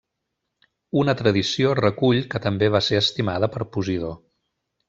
Una tradició recull que també va ser estimada per Posidó.